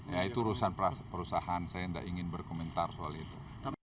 ya itu urusan perusahaan saya tidak ingin berkomentar soal itu